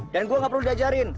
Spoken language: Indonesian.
dan gue nggak perlu diajarin